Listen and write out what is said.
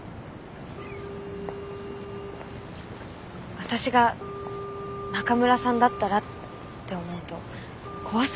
私が中村さんだったらって思うと怖すぎて。